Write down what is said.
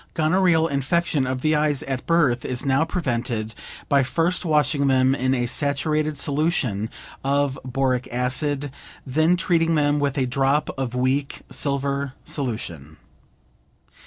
Gonorrheal infection of the eyes at birth is now prevented by first washing them in a saturated solution of boric acid, then treating them with a drop of weak silver solution.